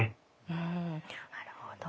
うんなるほど。